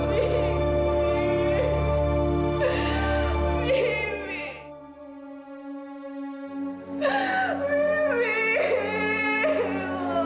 dengan rasa terlalu berantakan